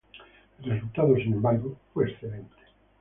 El resultado, sin embargo, fue excelente.